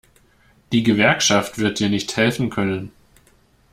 Die Gewerkschaft wird dir nicht helfen können.